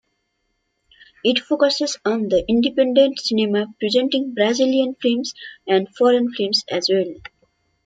It focuses on the independent cinema presenting Brazilian films and foreign films as well.